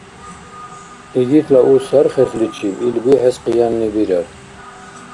Игитла у сархесличиб, ил бихӀес къиянни бирар.